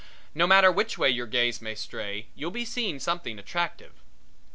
No matter which way your gaze may stray you'll be seeing something attractive.